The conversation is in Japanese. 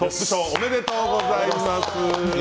おめでとうございます。